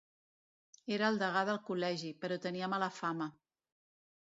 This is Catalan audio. Era el degà del Col·legi, però tenia mala fama.